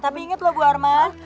tapi ingat loh bu arman